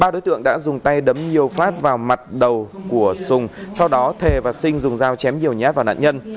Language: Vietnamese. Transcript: ba đối tượng đã dùng tay đấm nhiều phát vào mặt đầu của sùng sau đó thề và sinh dùng dao chém nhiều nhát vào nạn nhân